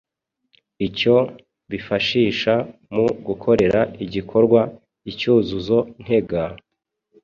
icyo bifashisha mu gukorera igikorwa icyuzuzo ntega,